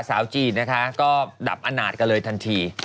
สาวจีนก็ดับอาหนาดกันเลยทันที